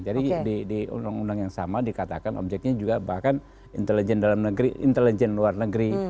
jadi di undang undang yang sama dikatakan objeknya juga bahkan intelijen dalam negeri intelijen luar negeri